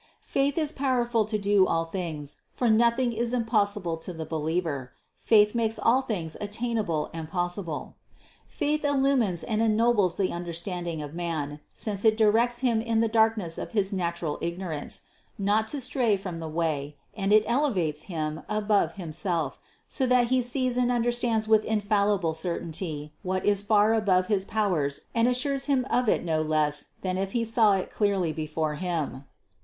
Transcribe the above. Faith is powerful to do all things, for noth ing is impossible to the believer; faith makes all things attainable and possible. Faith illumines and ennobles the understanding of man, since it directs him in the darkness of his natural ignorance, not to stray from the way, and it elevates him above himself so that he sees and under stands with infallible certainty what is far above his pow ers and assures him of it no less than if he saw it clearly before him.